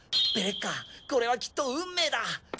ベレッカこれはきっと運命だ！